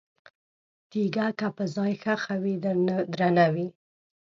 تیګه که په ځای ښخه وي، درنه وي؛